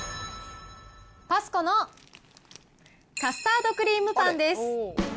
パスコのカスタードクリームパンです。